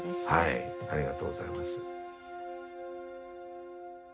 ありがとうございます。